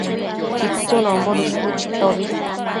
tsitsunombo dësbu chitobi